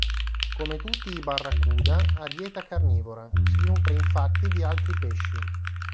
Come tutti i barracuda ha dieta carnivora: si nutre infatti di altri pesci.